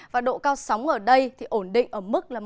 và độ cao sóng ở đây thì ổn định ở mức một bảy mươi năm m